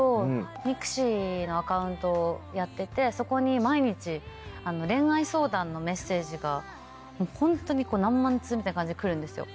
ｍｉｘｉのアカウントをやっててそこに毎日恋愛相談のメッセージがホントに何万通みたいな感じで来るんですよ。